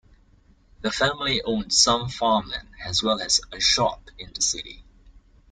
The family owned some farmland as well as a shop in the city.